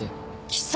貴様！